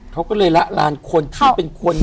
เขาก็เลยละลานคนที่เป็นคน